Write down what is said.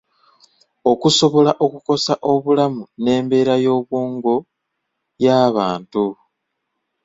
Okusobola kukosa obulamu n'embeera y'obwongo y'abantu.